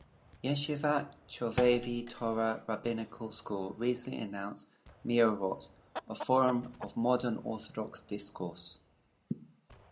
Yeshivat Chovevei Torah Rabbinical School recently announced Meorot: A Forum of Modern Orthodox Discourse.